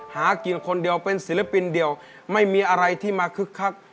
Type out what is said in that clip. หากินคนเดียวเป็นศิลปินเดียวไม่มีอะไรที่มาคึกคัก